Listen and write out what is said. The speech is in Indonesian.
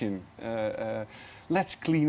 mari kita bersihkan